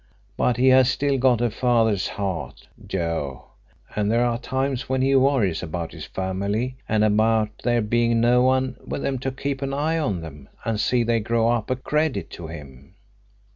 But he has still got a father's heart, Joe, and there are times when he worries about his family and about there being no one with them to keep an eye on them and see they grow up a credit to him.